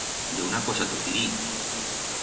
Yo una cosa tos dirí.